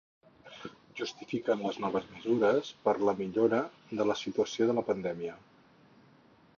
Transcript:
Justifiquen les noves mesures per la millora de la situació de la pandèmia.